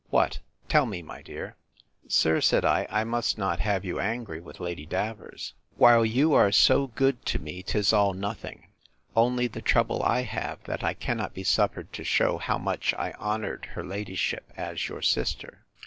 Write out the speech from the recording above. What? tell me, my dear. Sir, said I, I must not have you angry with Lady Davers; while you are so good to me, 'tis all nothing; only the trouble I have that I cannot be suffered to shew how much I honoured her ladyship, as your sister.